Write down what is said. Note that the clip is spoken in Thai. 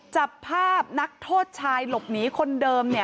จับภาพนักโทษชายหลบหนีคนเดิม